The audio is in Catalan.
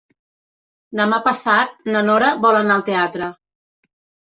Demà passat na Nora vol anar al teatre.